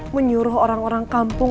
menyuruh orang orang kampung